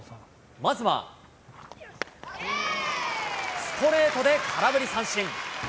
まずはストレートで空振り三振。